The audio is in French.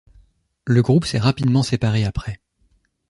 Le groupe s'est rapidement séparé après.